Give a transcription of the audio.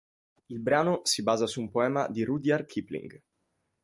Il brano si basa su un poema di Rudyard Kipling.